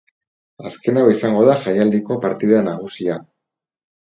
Azken hau izango da jaialdiko partida nagusia.